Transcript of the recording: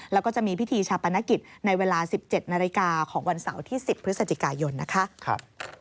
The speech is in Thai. แล้วก็จะมีพิธีชาปนกิจในเวลา๑๗นาฬิกาของวันเสาร์ที่๑๐พฤศจิกายนนะคะ